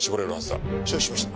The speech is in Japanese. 承知しました。